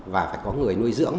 và phải có người nuôi dưỡng